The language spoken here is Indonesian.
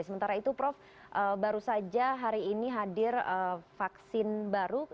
sementara itu prof baru saja hari ini hadir vaksin baru